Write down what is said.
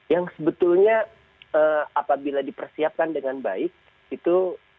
yang sebetulnya apabila dipersiapkan dengan baik itu